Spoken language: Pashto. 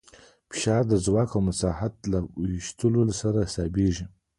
فشار د ځواک او مساحت په ویشلو سره حسابېږي.